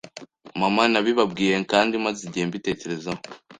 Mama Nabibabwiye kandi maze igihe mbitekerezaho,